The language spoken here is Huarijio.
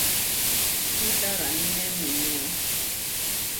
Kitaraníne muunío.